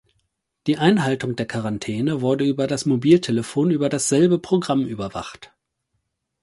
Die Einhaltung der Quarantäne wurde über das Mobiltelefon über dasselbe Programm überwacht.